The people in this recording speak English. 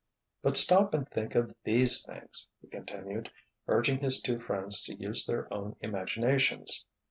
"But stop and think of these things," he continued, urging his two friends to use their own imaginations.